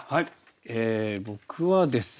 え僕はですね